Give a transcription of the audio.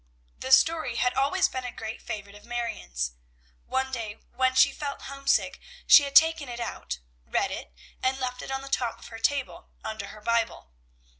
The story had always been a great favorite of Marion's. One day when she felt homesick she had taken it out, read it, and left it on the top of her table, under her Bible.